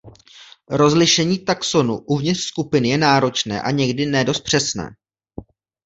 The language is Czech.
Rozlišení taxonů uvnitř skupiny je náročné a někdy ne dost přesné.